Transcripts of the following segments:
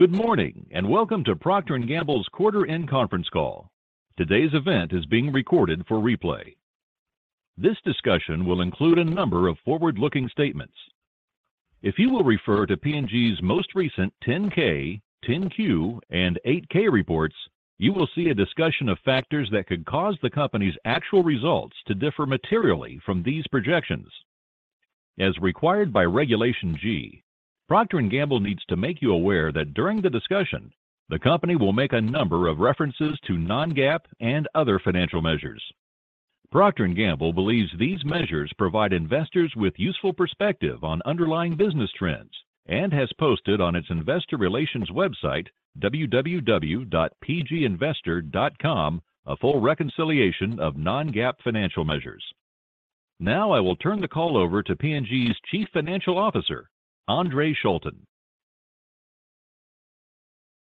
Good morning, and welcome to Procter & Gamble's Quarter End Conference Call. Today's event is being recorded for replay. This discussion will include a number of forward-looking statements. If you will refer to P&G's most recent 10-K, 10-Q, and 8-K reports, you will see a discussion of factors that could cause the company's actual results to differ materially from these projections. As required by Regulation G, Procter & Gamble needs to make you aware that during the discussion, the company will make a number of references to non-GAAP and other financial measures. Procter & Gamble believes these measures provide investors with useful perspective on underlying business trends, and has posted on its Investor Relations website, www.pginvestor.com, a full reconciliation of non-GAAP financial measures. Now, I will turn the call over to P&G's Chief Financial Officer, Andre Schulten.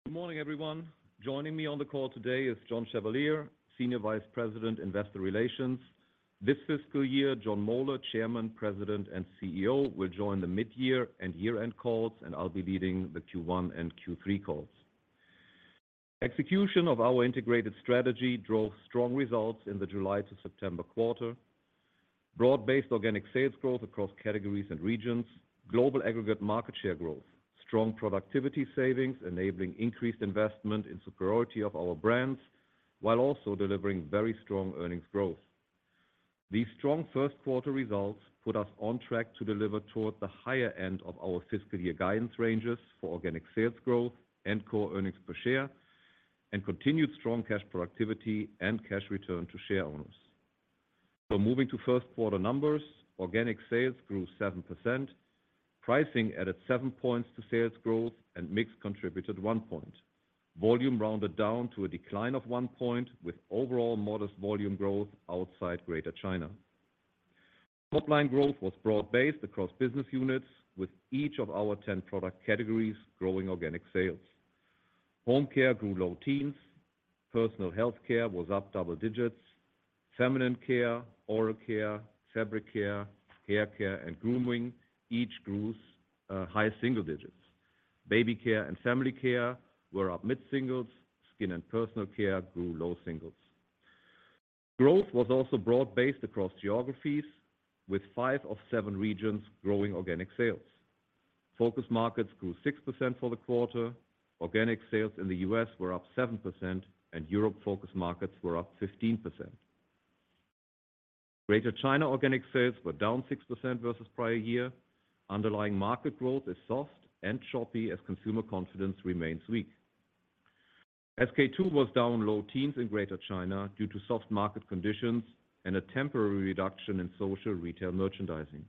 Good morning, everyone. Joining me on the call today is John Chevalier, Senior Vice President, Investor Relations. This fiscal year, Jon Moeller, Chairman, President, and CEO, will join the mid-year and year-end calls, and I'll be leading the Q1 and Q3 calls. Execution of our integrated strategy drove strong results in the July to September quarter. Broad-based organic sales growth across categories and regions, global aggregate market share growth, strong productivity savings, enabling increased investment in superiority of our brands, while also delivering very strong earnings growth. These strong first quarter results put us on track to deliver toward the higher end of our fiscal year guidance ranges for organic sales growth and core earnings per share, and continued strong cash productivity and cash return to shareowners. So moving to first quarter numbers, organic sales grew 7%, pricing added 7 points to sales growth, and mix contributed 1 point. Volume rounded down to a decline of 1 point, with overall modest volume growth outside Greater China. Top line growth was broad-based across business units, with each of our 10 product categories growing organic sales. Home care grew low teens, personal health care was up double digits, feminine care, oral care, fabric care, hair care, and grooming, each grew high single digits. Baby care and family care were up mid-singles. Skin and personal care grew low singles. Growth was also broad-based across geographies, with five of seven regions growing organic sales. Focus Markets grew 6% for the quarter. Organic sales in the U.S. were up 7%, and Europe Focus Markets were up 15%. Greater China organic sales were down 6% versus prior year. Underlying market growth is soft and choppy as consumer confidence remains weak. SK-II was down low teens in Greater China due to soft market conditions and a temporary reduction in social retail merchandising.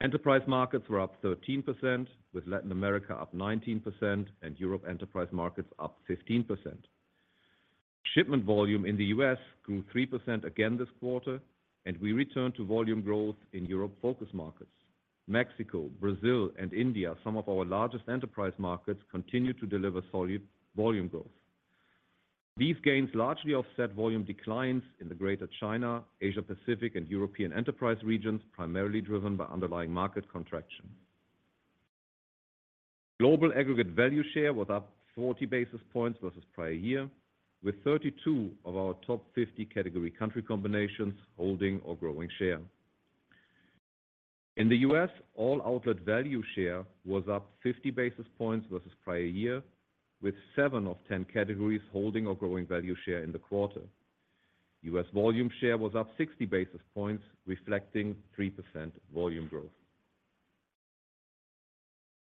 Enterprise Markets were up 13%, with Latin America up 19%, and Europe Enterprise Markets up 15%. Shipment volume in the U.S. grew 3% again this quarter, and we returned to volume growth in Europe focus markets. Mexico, Brazil, and India, some of our largest Enterprise Markets, continued to deliver solid volume growth. These gains largely offset volume declines in the Greater China, Asia Pacific, and European enterprise regions, primarily driven by underlying market contraction. Global aggregate value share was up 40 basis points versus prior year, with 32 of our top 50 category country combinations, holding or growing share. In the U.S., all outlet value share was up 50 basis points versus prior year, with seven of 10 categories holding or growing value share in the quarter. U.S. volume share was up 60 basis points, reflecting 3% volume growth.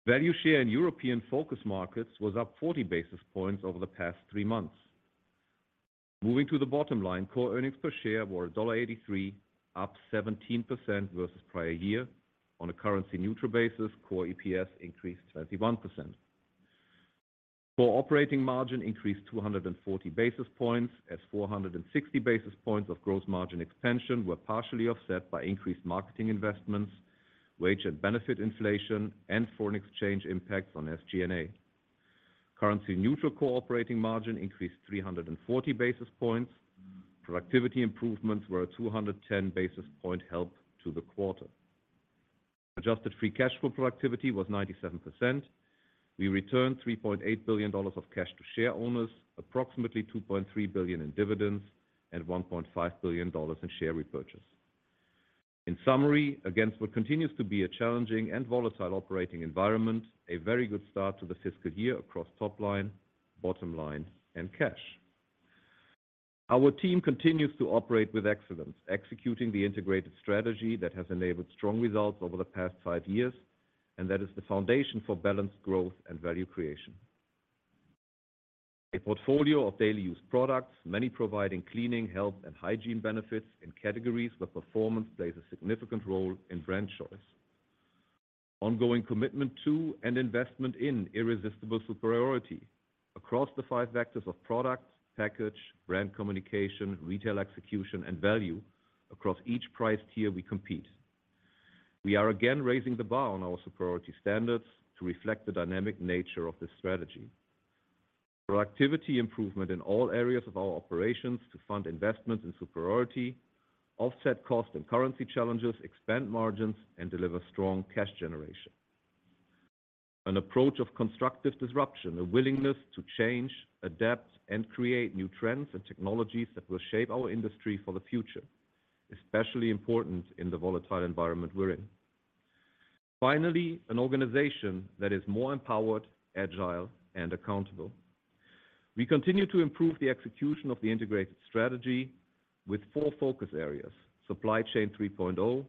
Value share in European Focus Markets was up 40 basis points over the past three months. Moving to the bottom line, core earnings per share were $1.83, up 17% versus prior year. On a Currency Neutral basis, core EPS increased 21%. Core operating margin increased 240 basis points, as 460 basis points of gross margin expansion were partially offset by increased marketing investments, wage and benefit inflation, and foreign exchange impacts on SG&A. Currency Neutral core operating margin increased 340 basis points. Productivity improvements were 210 basis point help to the quarter. Adjusted free cash flow Productivity was 97%. We returned $3.8 billion of cash to share owners, approximately $2.3 billion in dividends, and $1.5 billion in share repurchase. In summary, against what continues to be a challenging and volatile operating environment, a very good start to the fiscal year across top line, bottom line, and cash. Our team continues to operate with excellence, executing the integrated strategy that has enabled strong results over the past five years, and that is the foundation for balanced growth and value creation. A portfolio of daily use products, many providing cleaning, health, and hygiene benefits in categories where performance plays a significant role in brand choice. Ongoing commitment to and investment in irresistible superiority across the five vectors of product, package, brand communication, retail execution, and value across each price tier we compete. We are again raising the bar on our superiority standards to reflect the dynamic nature of this strategy. Productivity improvement in all areas of our operations to fund investments in superiority, offset cost and currency challenges, expand margins, and deliver strong cash generation. An approach of constructive disruption, a willingness to change, adapt, and create new trends and technologies that will shape our industry for the future, especially important in the volatile environment we're in. Finally, an organization that is more empowered, agile, and accountable. We continue to improve the execution of the integrated strategy with four focus areas: Supply Chain 3.0,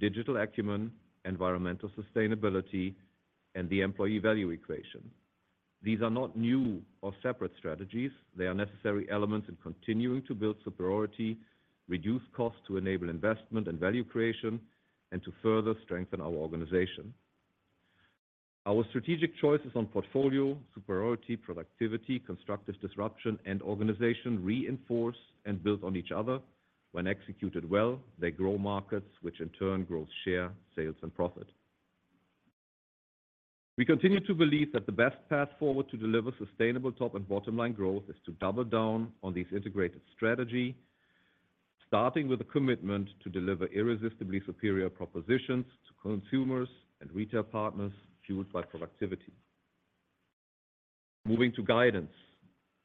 digital acumen, environmental sustainability, and the employee value equation. These are not new or separate strategies. They are necessary elements in continuing to build superiority, reduce costs to enable investment and value creation, and to further strengthen our organization. Our strategic choices on portfolio, superiority, productivity, constructive disruption, and organization reinforce and build on each other. When executed well, they grow markets, which in turn grows share, sales, and profit. We continue to believe that the best path forward to deliver sustainable top and bottom line growth is to double down on this integrated strategy, starting with a commitment to deliver irresistibly superior propositions to consumers and retail partners, fueled by productivity. Moving to guidance.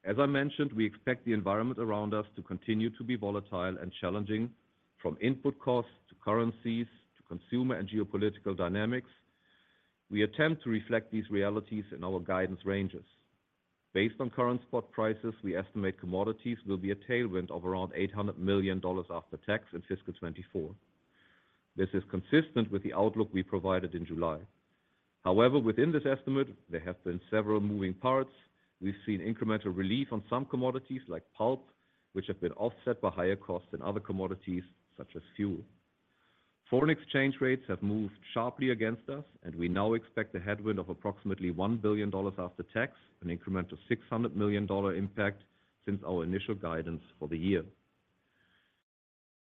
As I mentioned, we expect the environment around us to continue to be volatile and challenging, from input costs to currencies, to consumer and geopolitical dynamics. We attempt to reflect these realities in our guidance ranges. Based on current spot prices, we estimate commodities will be a tailwind of around $800 million after tax in fiscal 2024. This is consistent with the outlook we provided in July. However, within this estimate, there have been several moving parts. We've seen incremental relief on some commodities, like pulp, which have been offset by higher costs in other commodities, such as fuel. Foreign exchange rates have moved sharply against us, and we now expect a headwind of approximately $1 billion after tax, an increment of $600 million dollar impact since our initial guidance for the year.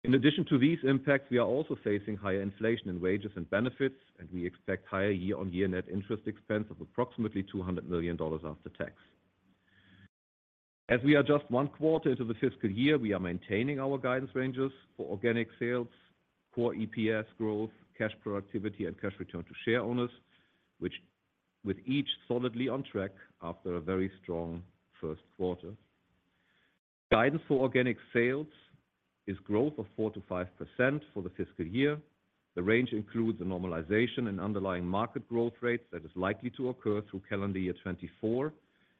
In addition to these impacts, we are also facing higher inflation in wages and benefits, and we expect higher year-on-year net interest expense of approximately $200 million after tax. As we are just one quarter into the fiscal year, we are maintaining our guidance ranges for organic sales, core EPS growth, cash productivity, and cash return to shareowners, which, with each solidly on track after a very strong first quarter. Guidance for organic sales is growth of 4%-5% for the fiscal year. The range includes a normalization in underlying market growth rates that is likely to occur through calendar year 2024,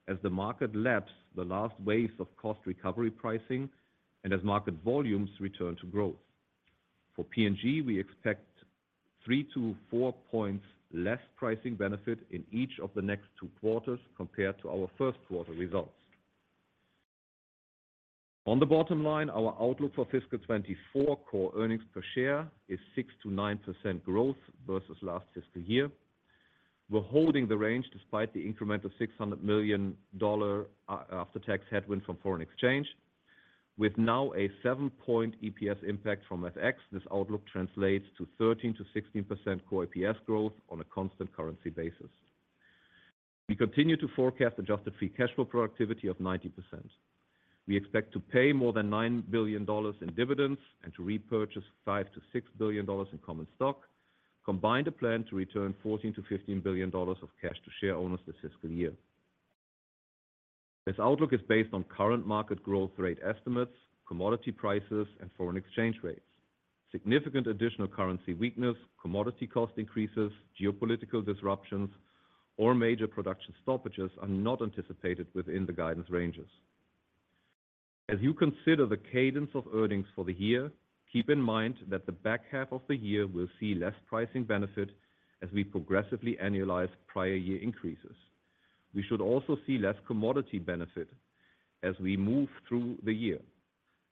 as the market laps the last wave of cost recovery pricing and as market volumes return to growth. For P&G, we expect 3-4 points less pricing benefit in each of the next two quarters compared to our first quarter results. On the bottom line, our outlook for fiscal 2024 core earnings per share is 6%-9% growth versus last fiscal year. We're holding the range despite the incremental $600 million after-tax headwind from foreign exchange. With now a 7-point EPS impact from FX, this outlook translates to 13%-16% core EPS growth on a constant currency basis. We continue to forecast adjusted free cash flow productivity of 90%. We expect to pay more than $9 billion in dividends and to repurchase $5 billion-$6 billion in common stock, combined a plan to return $14 billion-$15 billion of cash to shareowners this fiscal year. This outlook is based on current market growth rate estimates, commodity prices, and foreign exchange rates. Significant additional currency weakness, commodity cost increases, geopolitical disruptions, or major production stoppages are not anticipated within the guidance ranges. As you consider the cadence of earnings for the year, keep in mind that the back half of the year will see less pricing benefit as we progressively annualize prior year increases. We should also see less commodity benefit as we move through the year.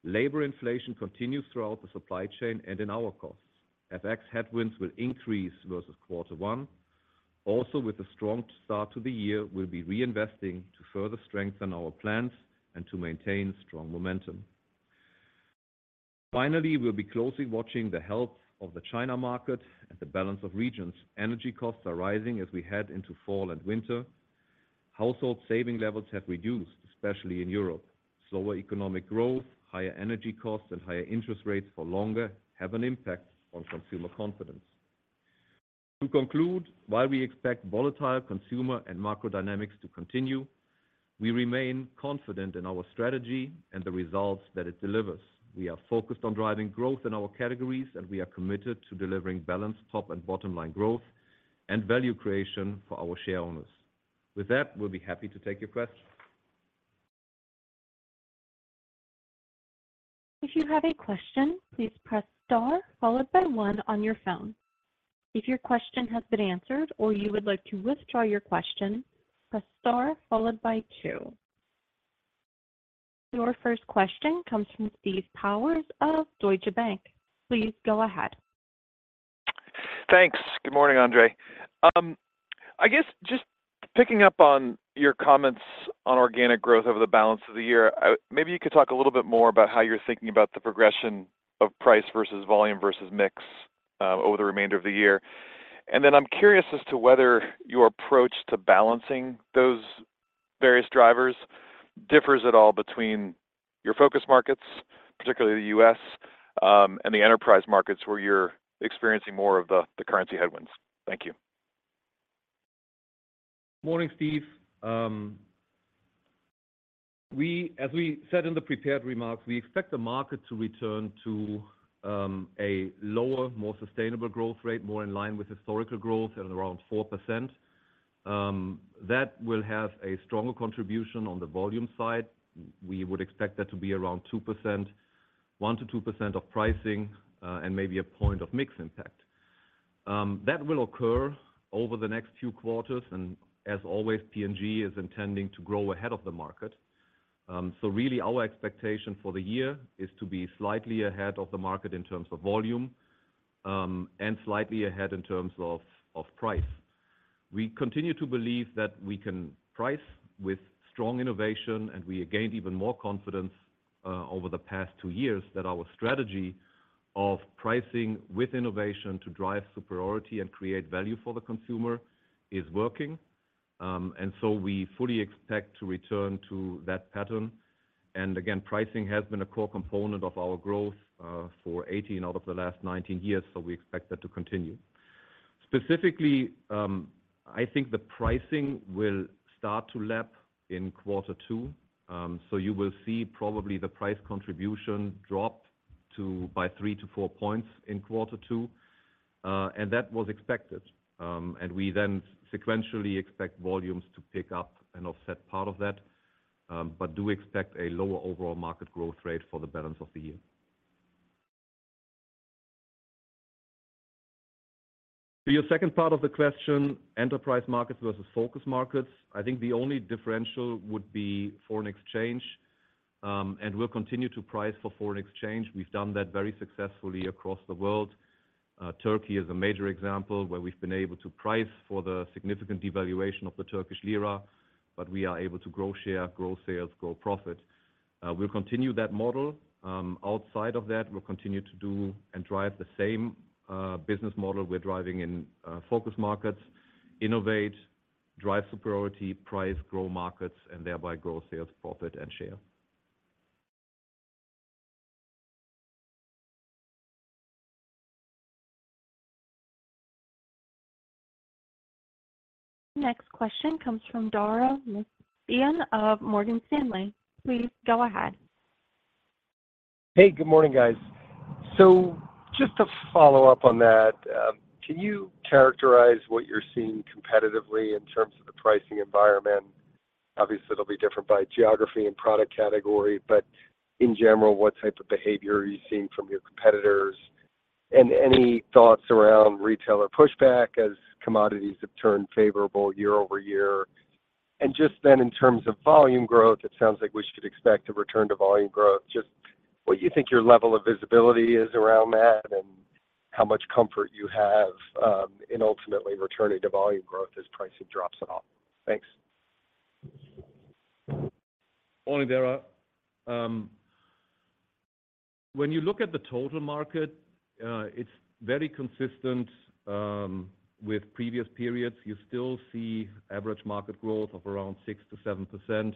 Labor inflation continues throughout the supply chain and in our costs. FX headwinds will increase versus quarter one. Also, with a strong start to the year, we'll be reinvesting to further strengthen our plans and to maintain strong momentum. Finally, we'll be closely watching the health of the China market and the balance of regions. Energy costs are rising as we head into fall and winter. Household saving levels have reduced, especially in Europe. Slower economic growth, higher energy costs, and higher interest rates for longer have an impact on consumer confidence. To conclude, while we expect volatile consumer and macro dynamics to continue, we remain confident in our strategy and the results that it delivers. We are focused on driving growth in our categories, and we are committed to delivering balanced top and bottom line growth and value creation for our shareowners. With that, we'll be happy to take your questions. If you have a question, please press star followed by one on your phone. If your question has been answered or you would like to withdraw your question, press star followed by two. Your first question comes from Steve Powers of Deutsche Bank. Please go ahead. Thanks. Good morning, Andre. I guess just picking up on your comments on organic growth over the balance of the year, maybe you could talk a little bit more about how you're thinking about the progression of price versus volume versus mix, over the remainder of the year. And then I'm curious as to whether your approach to balancing those various drivers differs at all between your focus markets, particularly the U.S., and the Enterprise Markets, where you're experiencing more of the, the currency headwinds? Thank you. Morning, Steve. As we said in the prepared remarks, we expect the market to return to a lower, more sustainable growth rate, more in line with historical growth at around 4%. That will have a stronger contribution on the volume side. We would expect that to be around 2%, 1%-2% of pricing, and maybe a point of mix impact. That will occur over the next few quarters, and as always, P&G is intending to grow ahead of the market. So really, our expectation for the year is to be slightly ahead of the market in terms of volume, and slightly ahead in terms of price. We continue to believe that we can price with strong innovation, and we have gained even more confidence over the past two years that our strategy of pricing with innovation to drive superiority and create value for the consumer is working. And so, we fully expect to return to that pattern. And again, pricing has been a core component of our growth for 18 out of the last 19 years, so we expect that to continue. Specifically, I think the pricing will start to lap in quarter two. So you will see probably the price contribution drop to by 3-4 points in quarter two, and that was expected. And we then sequentially expect volumes to pick up and offset part of that, but do expect a lower overall market growth rate for the balance of the year. To your second part of the question, Enterprise Markets versus focus markets, I think the only differential would be foreign exchange. We'll continue to price for foreign exchange. We've done that very successfully across the world. Turkey is a major example, where we've been able to price for the significant devaluation of the Turkish lira, but we are able to grow share, grow sales, grow profit. We'll continue that model. Outside of that, we'll continue to do and drive the same business model we're driving in focus markets, innovate, drive superiority, price, grow markets, and thereby grow sales, profit, and share. Next question comes from Dara Mohsenian of Morgan Stanley. Please go ahead. Hey, good morning, guys. So just to follow up on that, can you characterize what you're seeing competitively in terms of the pricing environment? Obviously, it'll be different by geography and product category, but in general, what type of behavior are you seeing from your competitors? And any thoughts around retailer pushback, as commodities have turned favorable year-over-year? And just then, in terms of volume growth, it sounds like we should expect a return to volume growth. Just what you think your level of visibility is around that, and how much comfort you have, in ultimately returning to volume growth as pricing drops it off? Thanks. Morning, Dara. When you look at the total market, it's very consistent with previous periods. You still see average market growth of around 6%-7%,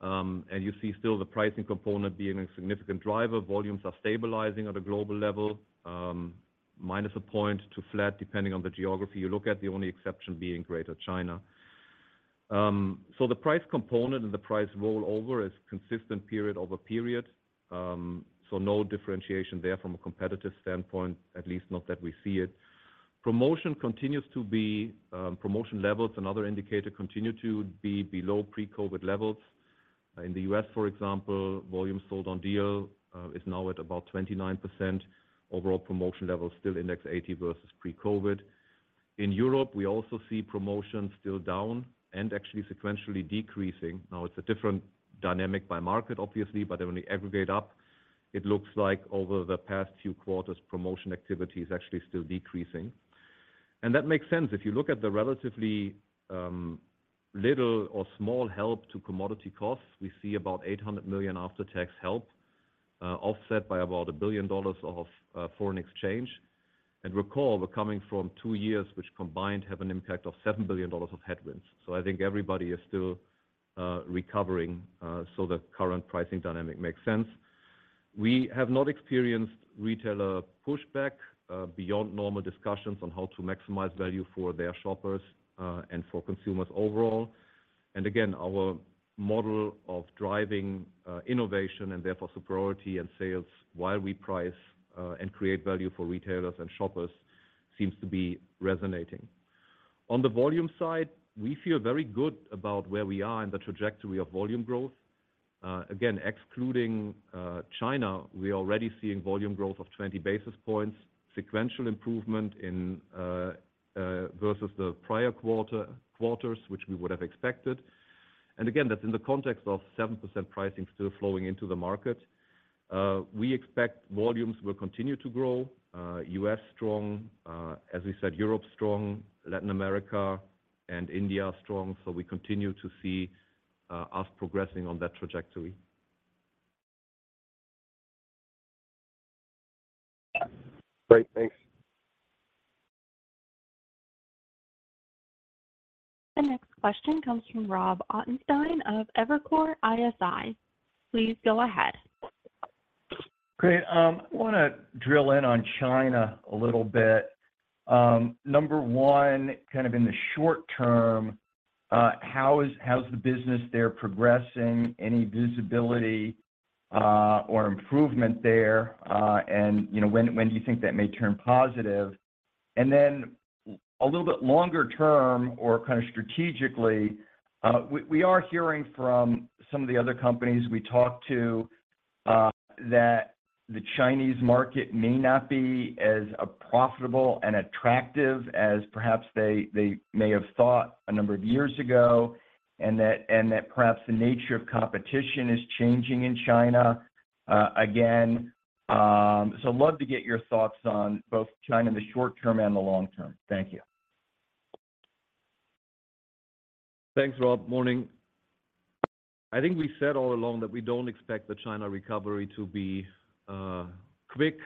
and you see still the pricing component being a significant driver. Volumes are stabilizing at a global level, minus a point to flat, depending on the geography you look at, the only exception being Greater China. So the price component and the price rollover is consistent period over period. So no differentiation there from a competitive standpoint, at least not that we see it. Promotion continues to be... Promotion levels, another indicator, continue to be below pre-COVID levels. In the U.S., for example, volume sold on deal is now at about 29%. Overall promotion levels still index 80 versus pre-COVID. In Europe, we also see promotions still down, and actually sequentially decreasing. Now, it's a different dynamic by market, obviously, but when we aggregate up, it looks like over the past few quarters, promotion activity is actually still decreasing. That makes sense. If you look at the relatively, little or small help to commodity costs, we see about $800 million after-tax help, offset by about $1 billion of foreign exchange. Recall, we're coming from two years, which combined, have an impact of $7 billion of headwinds. I think everybody is still recovering, so the current pricing dynamic makes sense. We have not experienced retailer pushback, beyond normal discussions on how to maximize value for their shoppers, and for consumers overall. Again, our model of driving, innovation, and therefore superiority and sales, while we price, and create value for retailers and shoppers, seems to be resonating. On the volume side, we feel very good about where we are in the trajectory of volume growth. Again, excluding China, we're already seeing volume growth of 20 basis points, sequential improvement in versus the prior quarter-quarters, which we would have expected. And again, that's in the context of 7% pricing still flowing into the market. We expect volumes will continue to grow. U.S. strong, as we said, Europe strong, Latin America and India are strong, so we continue to see us progressing on that trajectory.... Great. Thanks. The next question comes from Rob Ottenstein of Evercore ISI. Please go ahead. Great, I want to drill in on China a little bit. Number one, kind of in the short term, how's the business there progressing? Any visibility, or improvement there? And, you know, when, when do you think that may turn positive? And then a little bit longer term or kind of strategically, we, we are hearing from some of the other companies we talk to, that the Chinese market may not be as, profitable and attractive as perhaps they, they may have thought a number of years ago, and that, and that perhaps the nature of competition is changing in China, again. So love to get your thoughts on both China in the short term and the long term. Thank you. Thanks, Rob. Morning. I think we said all along that we don't expect the China recovery to be quick,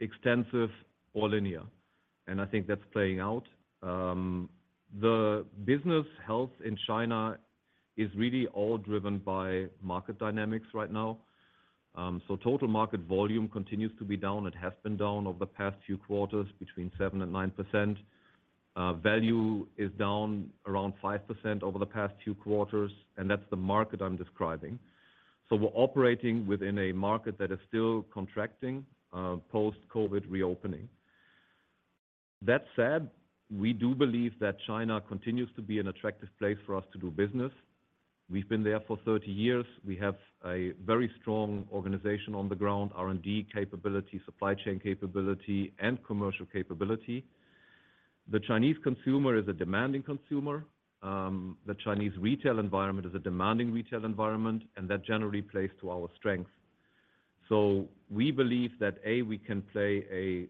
extensive, or linear, and I think that's playing out. The business health in China is really all driven by market dynamics right now. So total market volume continues to be down. It has been down over the past few quarters, between 7% and 9%. Value is down around 5% over the past two quarters, and that's the market I'm describing. So we're operating within a market that is still contracting, post-COVID reopening. That said, we do believe that China continues to be an attractive place for us to do business. We've been there for 30 years. We have a very strong organization on the ground, R&D capability, supply chain capability, and commercial capability. The Chinese consumer is a demanding consumer. The Chinese retail environment is a demanding retail environment, and that generally plays to our strength. So we believe that, A, we can play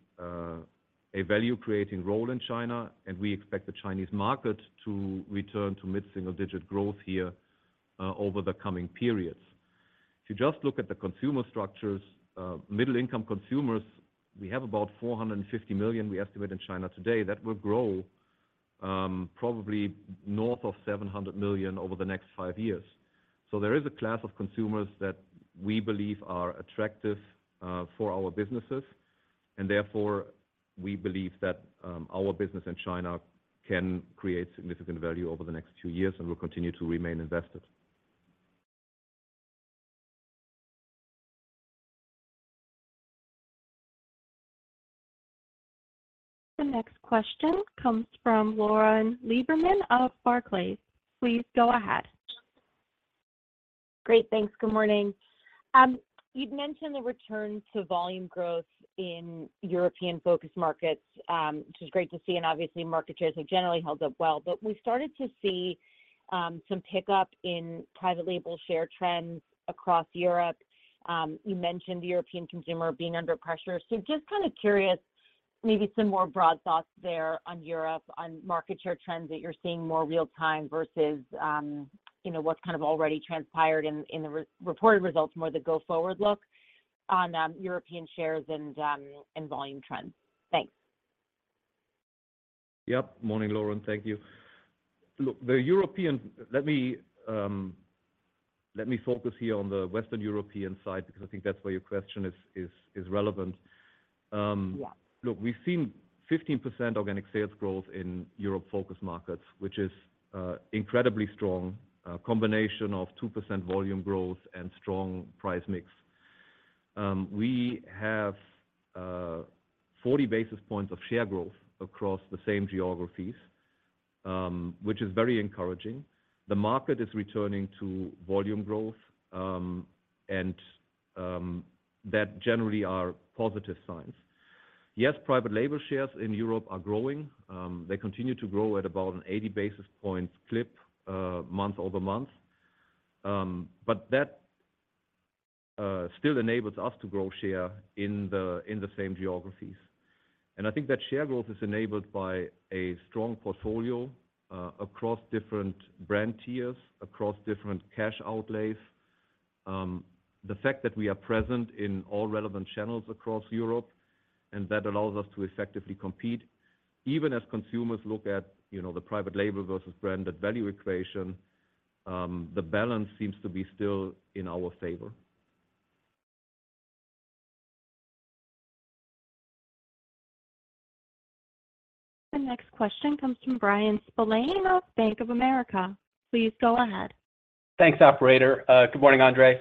a value-creating role in China, and we expect the Chinese market to return to mid-single digit growth here, over the coming periods. If you just look at the consumer structures, middle income consumers, we have about 450 million, we estimate in China today. That will grow, probably north of 700 million over the next five years. So there is a class of consumers that we believe are attractive, for our businesses, and therefore, we believe that, our business in China can create significant value over the next two years, and we'll continue to remain invested. The next question comes from Lauren Lieberman of Barclays. Please go ahead. Great, thanks. Good morning. You've mentioned the return to volume growth in European Focus Markets, which is great to see, and obviously, market shares have generally held up well. But we started to see some pickup in private label share trends across Europe. You mentioned the European consumer being under pressure. So just kind of curious, maybe some more broad thoughts there on Europe, on market share trends that you're seeing more real time versus, you know, what's kind of already transpired in the re-reported results, more the go forward look on European shares and volume trends. Thanks. Yep. Morning, Lauren. Thank you. Look, the European... Let me focus here on the Western European side, because I think that's where your question is relevant. Yeah. Look, we've seen 15% organic sales growth in Europe Focus Markets, which is incredibly strong, a combination of 2% volume growth and strong price mix. We have 40 basis points of share growth across the same geographies, which is very encouraging. The market is returning to volume growth, and that generally are positive signs. Yes, private label shares in Europe are growing. They continue to grow at about an 80 basis points clip, month-over-month. But that still enables us to grow share in the same geographies. And I think that share growth is enabled by a strong portfolio across different brand tiers, across different cash outlays. The fact that we are present in all relevant channels across Europe, and that allows us to effectively compete. Even as consumers look at, you know, the private label versus branded value equation, the balance seems to be still in our favor. The next question comes from Bryan Spillane of Bank of America. Please go ahead. Thanks, Operator. Good morning, Andre.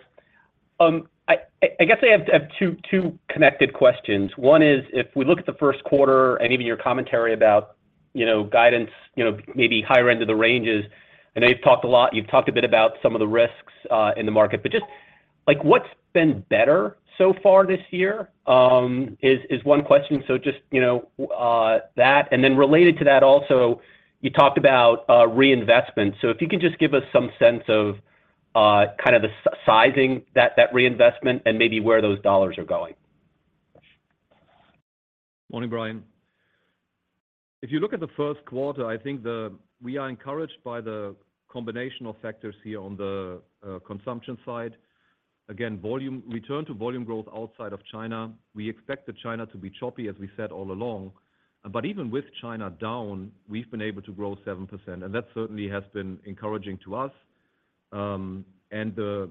I guess I have two connected questions. One is, if we look at the first quarter and even your commentary about, you know, guidance, you know, maybe higher end of the ranges, I know you've talked a lot—you've talked a bit about some of the risks in the market, but just, like, what's been better so far this year? Is one question. So just, you know, that, and then related to that also, you talked about reinvestment. So if you could just give us some sense of kind of the sizing that reinvestment and maybe where those dollars are going.... Morning, Bryan. If you look at the first quarter, I think we are encouraged by the combination of factors here on the consumption side. Again, volume return to volume growth outside of China. We expected China to be choppy, as we said all along. But even with China down, we've been able to grow 7%, and that certainly has been encouraging to us. And the,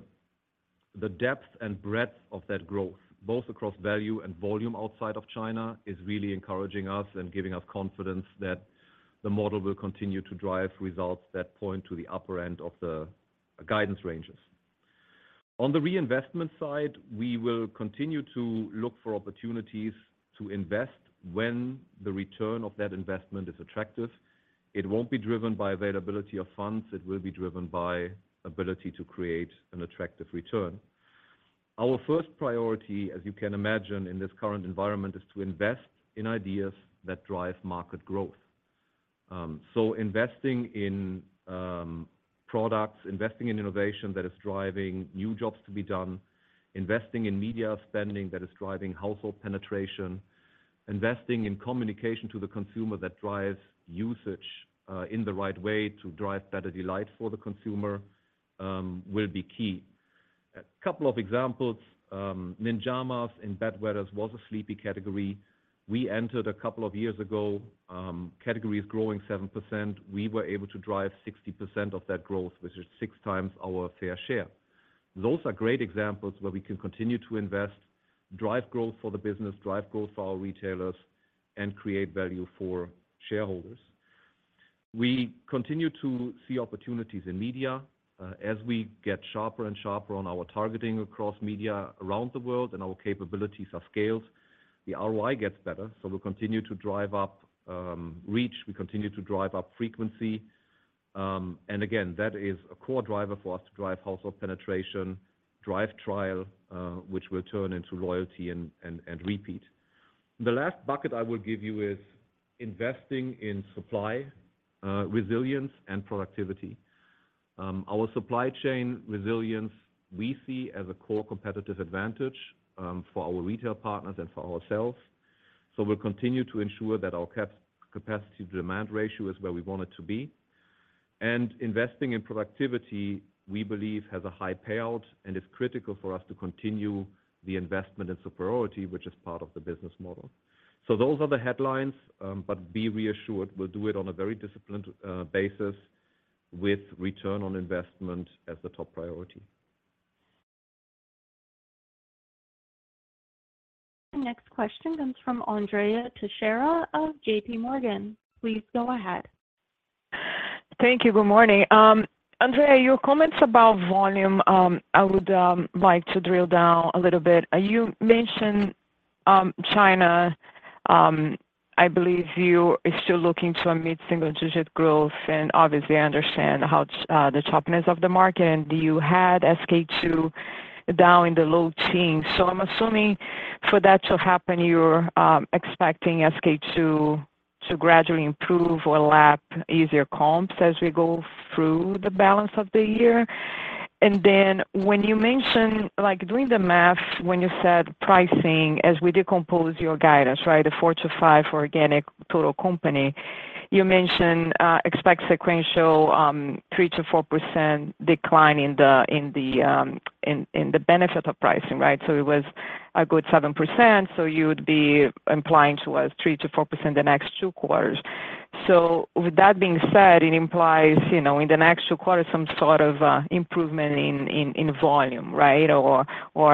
the depth and breadth of that growth, both across value and volume outside of China, is really encouraging us and giving us confidence that the model will continue to drive results that point to the upper end of the guidance ranges. On the reinvestment side, we will continue to look for opportunities to invest when the return of that investment is attractive. It won't be driven by availability of funds. It will be driven by ability to create an attractive return. Our first priority, as you can imagine, in this current environment, is to invest in ideas that drive market growth. Investing in products, investing in innovation that is driving new jobs to be done, investing in media spending that is driving household penetration, investing in communication to the consumer that drives usage, in the right way to drive better delight for the consumer, will be key. A couple of examples, Ninjamas in bedwetting was a sleepy category. We entered a couple of years ago, category is growing 7%. We were able to drive 60% of that growth, which is six times our fair share. Those are great examples where we can continue to invest, drive growth for the business, drive growth for our retailers, and create value for shareholders. We continue to see opportunities in media, as we get sharper and sharper on our targeting across media around the world, and our capabilities are scaled, the ROI gets better. So we'll continue to drive up reach. We continue to drive up frequency. And again, that is a core driver for us to drive household penetration, drive trial, which will turn into loyalty and repeat. The last bucket I will give you is investing in supply resilience, and productivity. Our supply chain resilience, we see as a core competitive advantage for our retail partners and for ourselves. So we'll continue to ensure that our capacity to demand ratio is where we want it to be. Investing in productivity, we believe has a high payout and is critical for us to continue the investment in superiority, which is part of the business model. So those are the headlines, but be reassured, we'll do it on a very disciplined basis with return on investment as the top priority. The next question comes from Andrea Teixeira of JPMorgan. Please go ahead. Thank you. Good morning. Andrea, your comments about volume, I would like to drill down a little bit. You mentioned China, I believe you are still looking to meet single-digit growth and obviously understand how the toughness of the market. And you had SK-II down in the low teens. So I'm assuming for that to happen, you're expecting SK-II to gradually improve or lap easier comps as we go through the balance of the year? And then when you mention, like, doing the math, when you said pricing, as we decompose your guidance, right, a 4%-5% for organic total company, you mentioned expect sequential 3%-4% decline in the benefit of pricing, right? So it was a good 7%, so you would be implying towards 3%-4% the next two quarters. So with that being said, it implies, you know, in the next two quarters, some sort of improvement in volume, right? Or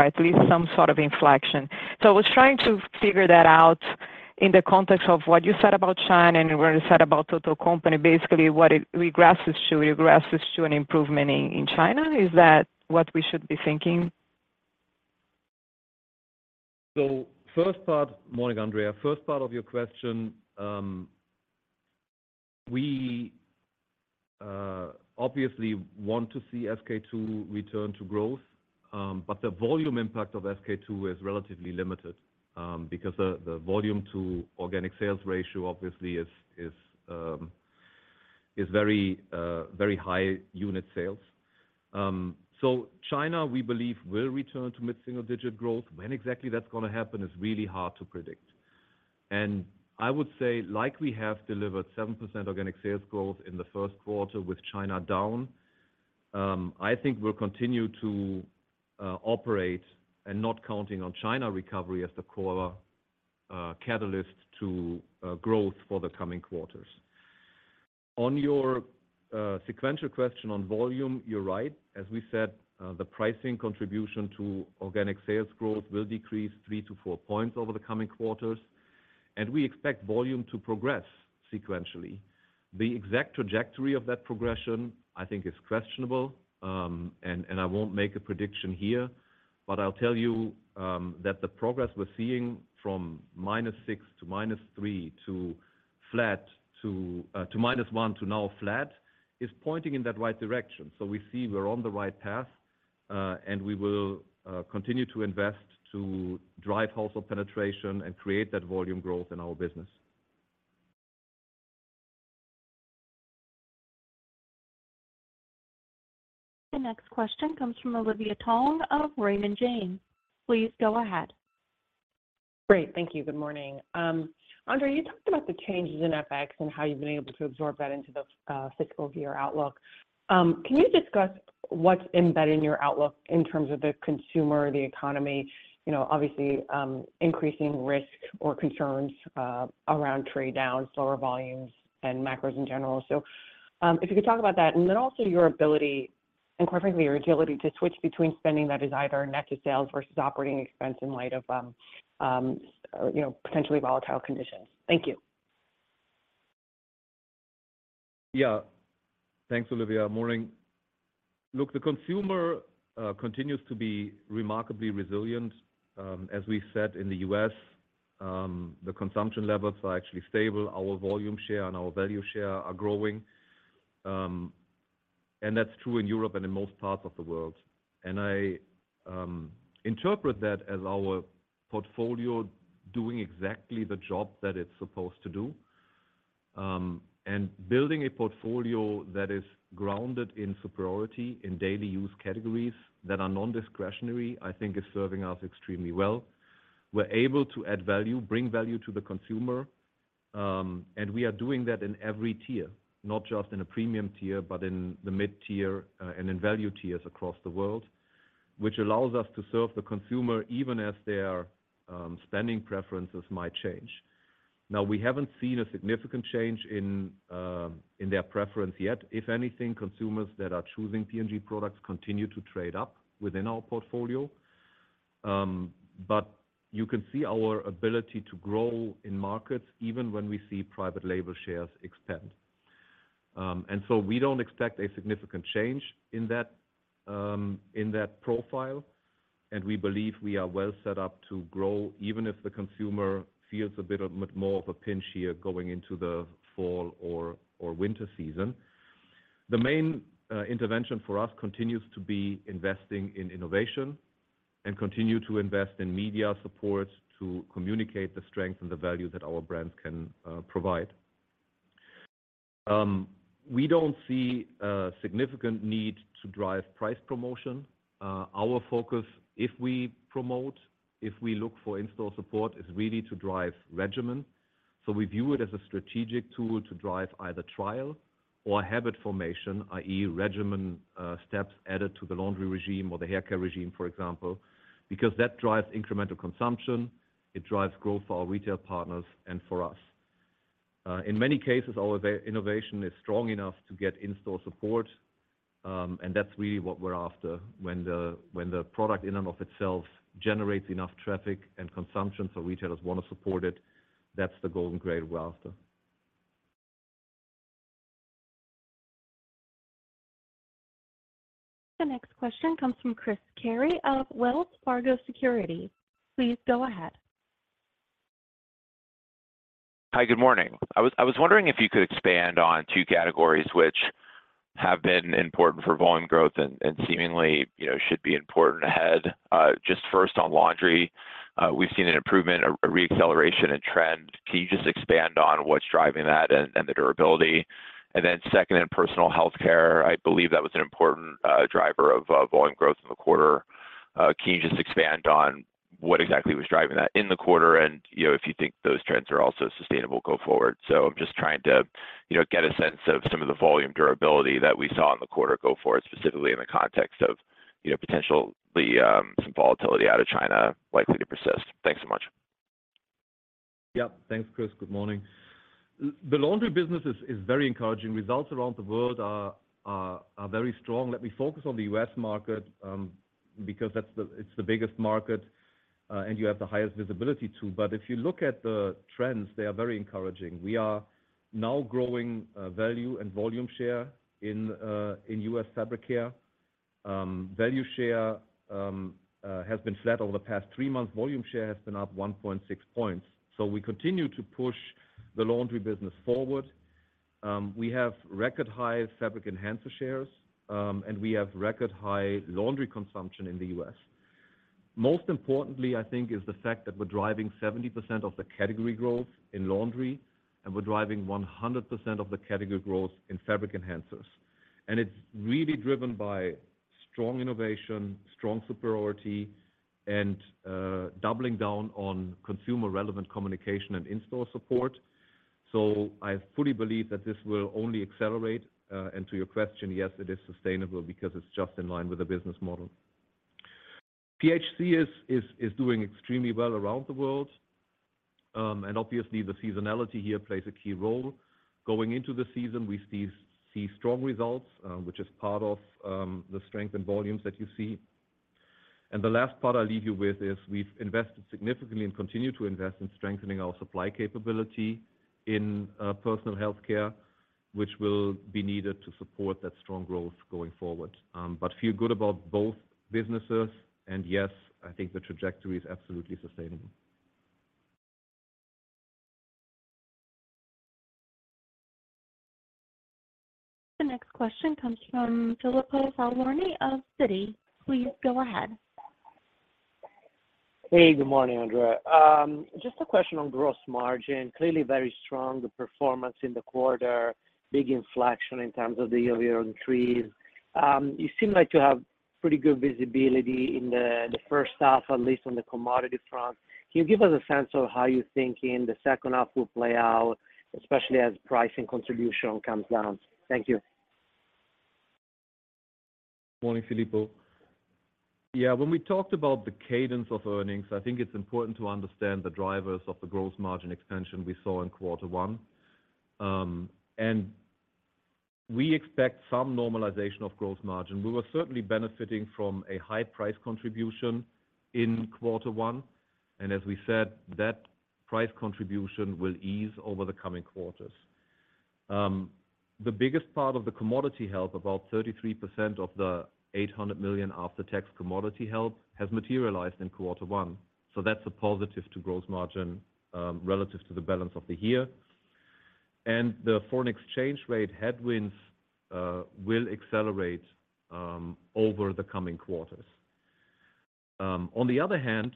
at least some sort of inflection. So I was trying to figure that out in the context of what you said about China and what you said about total company. Basically, what it regresses to an improvement in China. Is that what we should be thinking? So, first part. Morning, Andrea. First part of your question, we obviously want to see SK-II return to growth, but the volume impact of SK-II is relatively limited, because the volume to organic sales ratio obviously is very, very high unit sales. So, China, we believe, will return to mid-single digit growth. When exactly that's gonna happen is really hard to predict. I would say, like, we have delivered 7% organic sales growth in the first quarter with China down. I think we'll continue to operate and not counting on China recovery as the core catalyst to growth for the coming quarters. On your sequential question on volume, you're right. As we said, the pricing contribution to organic sales growth will decrease 3-4 points over the coming quarters, and we expect volume to progress sequentially. The exact trajectory of that progression, I think, is questionable. And I won't make a prediction here, but I'll tell you that the progress we're seeing from -6 to -3 to flat to -1 to now flat is pointing in that right direction. So we see we're on the right path, and we will continue to invest to drive household penetration and create that volume growth in our business.... The next question comes from Olivia Tong of Raymond James. Please go ahead. Great. Thank you. Good morning. Andre, you talked about the changes in FX and how you've been able to absorb that into the fiscal view or outlook. Can you discuss what's embedded in your outlook in terms of the consumer, the economy? You know, obviously, increasing risk or concerns around trade downs, lower volumes, and macros in general. So, if you could talk about that. And then also your ability, and quite frankly, your agility to switch between spending that is either net to sales versus operating expense in light of, you know, potentially volatile conditions. Thank you. Yeah. Thanks, Olivia. Morning. Look, the consumer continues to be remarkably resilient. As we said, in the U.S., the consumption levels are actually stable. Our volume share and our value share are growing. And that's true in Europe and in most parts of the world. And I interpret that as our portfolio doing exactly the job that it's supposed to do. And building a portfolio that is grounded in superiority, in daily use categories, that are non-discretionary, I think is serving us extremely well. We're able to add value, bring value to the consumer, and we are doing that in every tier, not just in the premium tier, but in the mid tier, and in value tiers across the world. Which allows us to serve the consumer, even as their spending preferences might change. Now, we haven't seen a significant change in their preference yet. If anything, consumers that are choosing P&G products continue to trade up within our portfolio. But you can see our ability to grow in markets, even when we see private label shares expand. And so, we don't expect a significant change in that profile, and we believe we are well set up to grow, even if the consumer feels a bit of... more of a pinch here, going into the fall or winter season. The main intervention for us continues to be investing in innovation, and continue to invest in media support, to communicate the strength and the value that our brands can provide. We don't see a significant need to drive price promotion. Our focus, if we promote, if we look for in-store support, is really to drive regimen. So we view it as a strategic tool to drive either trial or habit formation, i.e. regimen, steps added to the laundry regimen or the haircare regimen, for example, because that drives incremental consumption, it drives growth for our retail partners and for us. In many cases, our innovation is strong enough to get in-store support, and that's really what we're after. When the product in and of itself generates enough traffic and consumption, so retailers want to support it, that's the golden grail we're after. The next question comes from Chris Carey of Wells Fargo Securities. Please go ahead. Hi, good morning. I was wondering if you could expand on two categories which have been important for volume growth and seemingly, you know, should be important ahead. Just first on laundry, we've seen an improvement, a re-acceleration in trend. Can you just expand on what's driving that and the durability? And then second, in personal health care, I believe that was an important driver of volume growth in the quarter. Can you just expand on what exactly was driving that in the quarter, and, you know, if you think those trends are also sustainable go forward? So I'm just trying to, you know, get a sense of some of the volume durability that we saw in the quarter go forward, specifically in the context of, you know, potentially some volatility out of China, likely to persist. Thanks so much. Yeah. Thanks, Chris. Good morning. The laundry business is very encouraging. Results around the world are very strong. Let me focus on the U.S. market, because that's the... It's the biggest market, and you have the highest visibility, too. But if you look at the trends, they are very encouraging. We are now growing value and volume share in U.S. fabric care. Value share has been flat over the past three months. Volume share has been up 1.6 points. So we continue to push the laundry business forward. We have record high fabric enhancer shares, and we have record high laundry consumption in the U.S. Most importantly, I think, is the fact that we're driving 70% of the category growth in laundry, and we're driving 100% of the category growth in fabric enhancers. And it's really driven by strong innovation, strong superiority, and doubling down on consumer-relevant communication and in-store support. So I fully believe that this will only accelerate. And to your question, yes, it is sustainable because it's just in line with the business model. P&G is doing extremely well around the world. And obviously, the seasonality here plays a key role. Going into the season, we see strong results, which is part of the strength and volumes that you see. The last part I'll leave you with is, we've invested significantly and continue to invest in strengthening our supply capability in personal health care, which will be needed to support that strong growth going forward. But feel good about both businesses, and yes, I think the trajectory is absolutely sustainable. The next question comes from Filippo Falorni of Citi. Please go ahead. Hey, good morning, Andre. Just a question on gross margin. Clearly very strong, the performance in the quarter, big inflection in terms of the year-over-year on trees. You seem like you have pretty good visibility in the, the first half, at least on the commodity front. Can you give us a sense of how you think in the second half will play out, especially as pricing contribution comes down? Thank you. Morning, Filippo. Yeah, when we talked about the cadence of earnings, I think it's important to understand the drivers of the gross margin expansion we saw in quarter one. We expect some normalization of gross margin. We were certainly benefiting from a high price contribution in quarter one, and as we said, that price contribution will ease over the coming quarters. The biggest part of the commodity help, about 33% of the $800 million after-tax commodity help, has materialized in quarter one. So that's a positive to gross margin, relative to the balance of the year. The foreign exchange rate headwinds will accelerate over the coming quarters. On the other hand,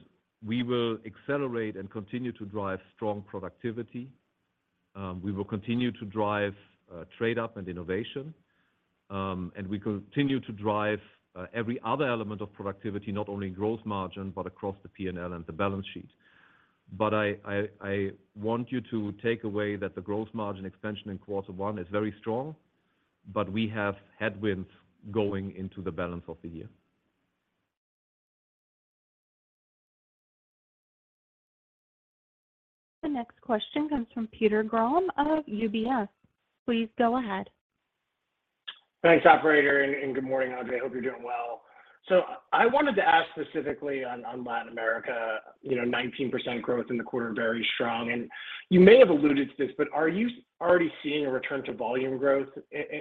we will accelerate and continue to drive strong productivity. We will continue to drive trade up and innovation. And we continue to drive every other element of productivity, not only in gross margin, but across the P&L and the balance sheet. But I want you to take away that the gross margin expansion in quarter one is very strong, but we have headwinds going into the balance of the year. The next question comes from Peter Grom of UBS. Please go ahead. Thanks, Operator, and good morning, Andre. I hope you're doing well. So I wanted to ask specifically on Latin America, you know, 19% growth in the quarter, very strong. And you may have alluded to this, but are you already seeing a return to volume growth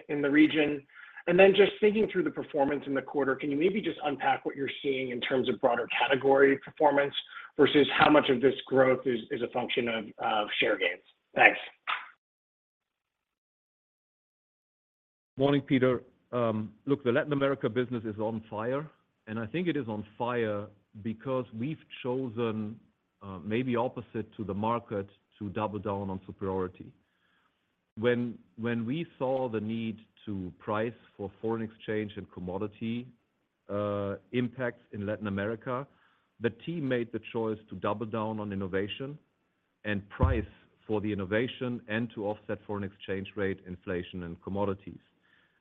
in the region? And then just thinking through the performance in the quarter, can you maybe just unpack what you're seeing in terms of broader category performance, versus how much of this growth is a function of share gains? Thanks. Morning, Peter. Look, the Latin America business is on fire, and I think it is on fire because we've chosen, maybe opposite to the market, to double down on superiority. When we saw the need to price for foreign exchange and commodity impacts in Latin America, the team made the choice to double down on innovation, and price for the innovation, and to offset foreign exchange rate inflation and commodities.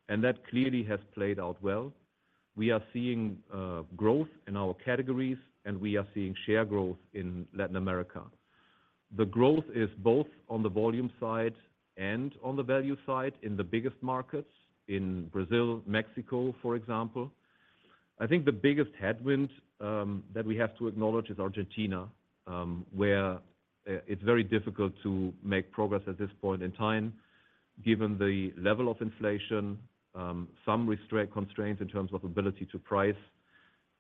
And that clearly has played out well. We are seeing growth in our categories, and we are seeing share growth in Latin America. The growth is both on the volume side and on the value side, in the biggest markets, in Brazil, Mexico, for example. I think the biggest headwind, that we have to acknowledge is Argentina, where, it's very difficult to make progress at this point in time, given the level of inflation, some constraints in terms of ability to price.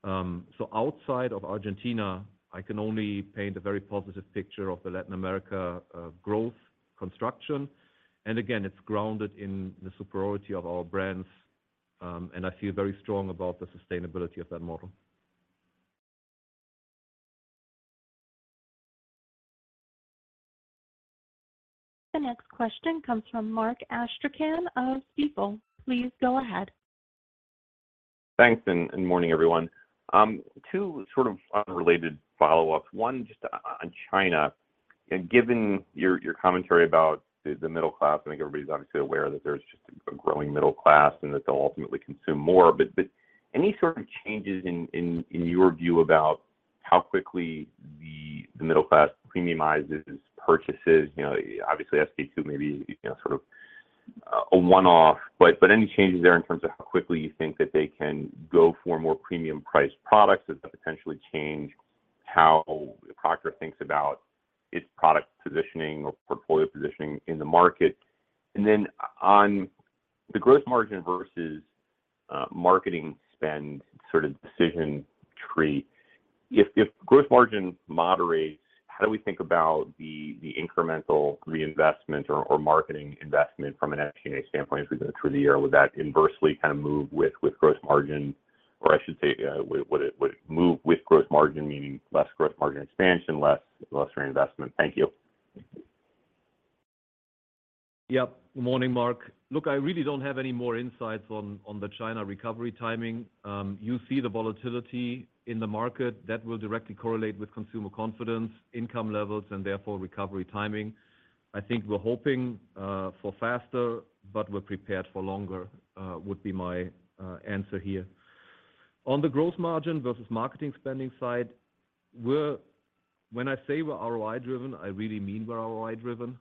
So outside of Argentina, I can only paint a very positive picture of the Latin America, growth construction. And again, it's grounded in the superiority of our brands, and I feel very strong about the sustainability of that model. The next question comes from Mark Astrachan of Stifel. Please go ahead. Thanks, good morning, everyone. Two sort of unrelated follow-ups. One, just on China. And given your commentary about the middle class, I think everybody's obviously aware that there's just a growing middle class, and that they'll ultimately consume more. But any sort of changes in your view about how quickly the middle class premiumizes purchases? You know, obviously, SK-II may be, you know, sort of a one-off, but any changes there in terms of how quickly you think that they can go for more premium priced products, that could potentially change how Procter thinks about its product positioning or portfolio positioning in the market? And then on the gross margin versus marketing spend, sort of decision tree, if gross margin moderates, how do we think about the incremental reinvestment or marketing investment from an A&C standpoint, as we go through the year? Would that inversely kind of move with gross margin? Or I should say, would it move with gross margin, meaning less gross margin expansion, less reinvestment? Thank you. Yep. Morning, Mark. Look, I really don't have any more insights on the China recovery timing. You see the volatility in the market that will directly correlate with consumer confidence, income levels, and therefore, recovery timing. I think we're hoping for faster, but we're prepared for longer, would be my answer here. On the gross margin versus marketing spending side, we're... When I say we're ROI driven, I really mean we're ROI driven.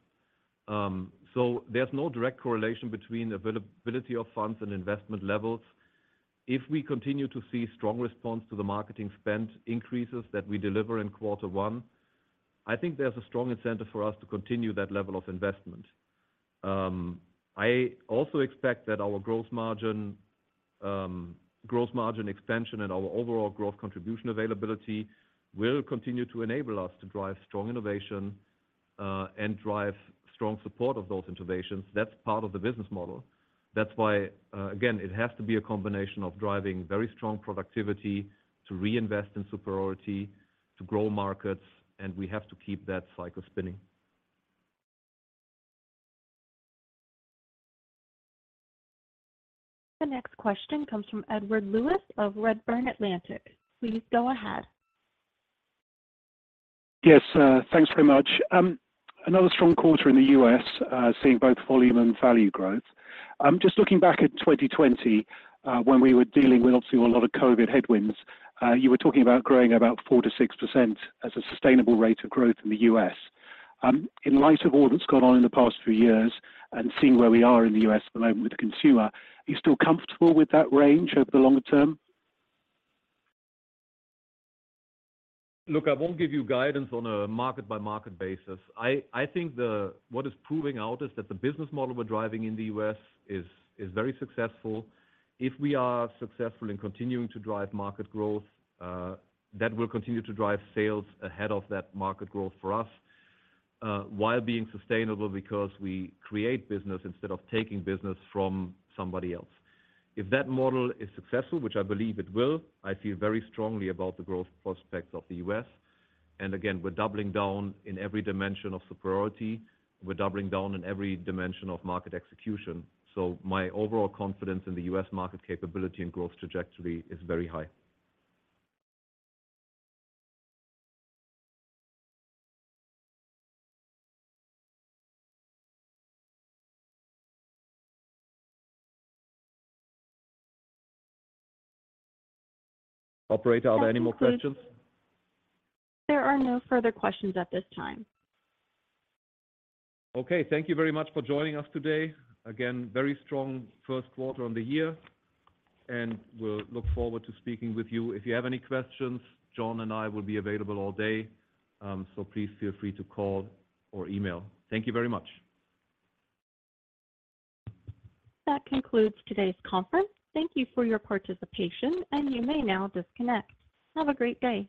So there's no direct correlation between availability of funds and investment levels. If we continue to see strong response to the marketing spend increases that we deliver in quarter one, I think there's a strong incentive for us to continue that level of investment. I also expect that our gross margin, gross margin expansion and our overall growth contribution availability, will continue to enable us to drive strong innovation. and drive strong support of those innovations, that's part of the business model. That's why, again, it has to be a combination of driving very strong productivity to reinvest in superiority, to grow markets, and we have to keep that cycle spinning. The next question comes from Edward Lewis of Redburn Atlantic. Please go ahead. Yes, thanks very much. Another strong quarter in the U.S., seeing both volume and value growth. Just looking back at 2020, when we were dealing with obviously a lot of COVID headwinds, you were talking about growing about 4%-6% as a sustainable rate of growth in the U.S. In light of all that's gone on in the past few years and seeing where we are in the U.S. at the moment with the consumer, are you still comfortable with that range over the longer term? Look, I won't give you guidance on a market-by-market basis. I think what is proving out is that the business model we're driving in the U.S. is very successful. If we are successful in continuing to drive market growth, that will continue to drive sales ahead of that market growth for us, while being sustainable because we create business instead of taking business from somebody else. If that model is successful, which I believe it will, I feel very strongly about the growth prospects of the U.S. And again, we're doubling down in every dimension of superiority. We're doubling down in every dimension of market execution. So my overall confidence in the U.S. market capability and growth trajectory is very high. Operator, are there any more questions? There are no further questions at this time. Okay. Thank you very much for joining us today. Again, very strong first quarter on the year, and we'll look forward to speaking with you. If you have any questions, John and I will be available all day, so please feel free to call or email. Thank you very much. That concludes today's conference. Thank you for your participation, and you may now disconnect. Have a great day.